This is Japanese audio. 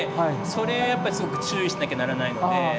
それやっぱすごく注意しなきゃならないので。